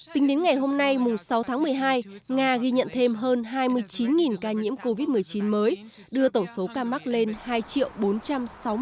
tính đến ngày hôm nay mùa sáu tháng một mươi hai nga ghi nhận thêm hơn hai mươi chín ca nhiễm covid một mươi chín mới đưa tổng số ca mắc lên hai bốn trăm sáu mươi bảy trăm bảy mươi ca